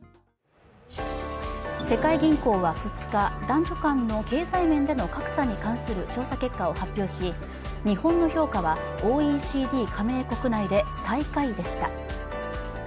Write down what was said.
世界銀行は２日、男女間の経済面での格差に関する調査結果を発表し、日本の評価はＯＥＣＤ加盟国内で最下位でした。